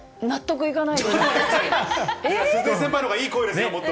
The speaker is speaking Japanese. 鈴江先輩のほうがいい声ですよ、もっと。